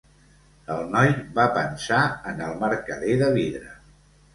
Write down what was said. El noi va pensar en el mercader de vidre.